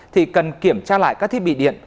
thì cần kiểm tra lại các thiết bị điện